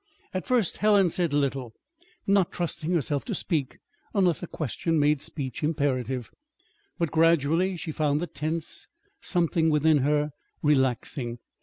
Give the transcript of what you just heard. At first Helen said little, not trusting herself to speak unless a question made speech imperative; but gradually she found the tense something within her relaxing.